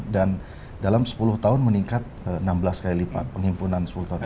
dan dalam sepuluh tahun meningkat enam belas kali lipat penghimpunan sepuluh tahun